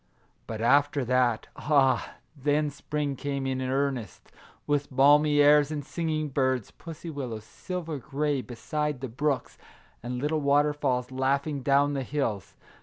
But after that, — ah, then spring came in earnest, with balmy airs and singing birds, pussy willows, silver gray, beside the brooks, and little waterfalls laughing down the hills.